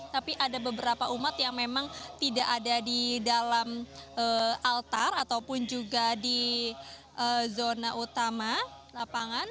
tapi ada beberapa umat yang memang tidak ada di dalam altar ataupun juga di zona utama lapangan